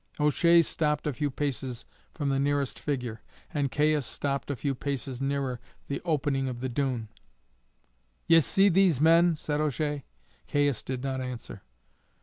O'Shea stopped a few paces from the nearest figure, and Caius stopped a few paces nearer the opening of the dune. "Ye see these men?" said O'Shea. Caius did not answer.